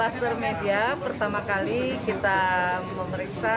lima belas semua negatif